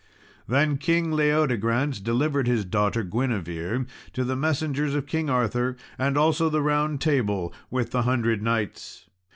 Then King Leodegrance delivered his daughter Guinevere to the messengers of King Arthur, and also the Round Table with the hundred knights.